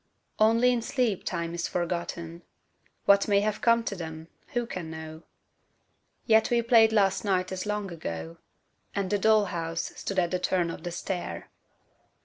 Only in sleep Time is forgotten What may have come to them, who can know? Yet we played last night as long ago, And the doll house stood at the turn of the stair.